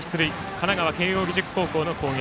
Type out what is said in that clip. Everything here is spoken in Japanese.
神奈川・慶応義塾高校の攻撃。